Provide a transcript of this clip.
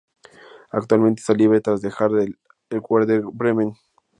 Actualmente está libre tras dejar el Werder Bremen.